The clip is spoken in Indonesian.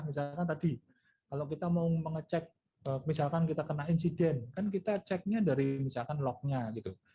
misalkan tadi kalau kita mau mengecek misalkan kita kena insiden kan kita ceknya dari misalkan lognya gitu